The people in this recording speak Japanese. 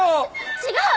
違う！